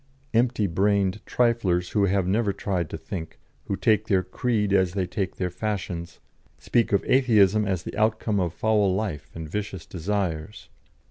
Empty brained triflers who have never tried to think, who take their creed as they take their fashions, speak of Atheism as the outcome of foul life and vicious desires.